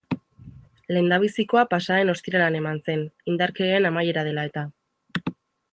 Lehendabizikoa pasa den ostiralean eman zen, indarkeriaren amaiera dela-eta.